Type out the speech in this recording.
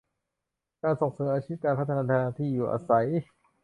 การส่งเสริมอาชีพ การพัฒนาที่อยู่อาศัย